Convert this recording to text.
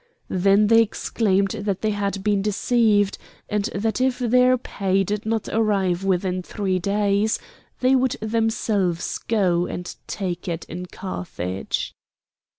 Then they exclaimed that they had been deceived, and that if their pay did not arrive within three days, they would themselves go and take it in Carthage.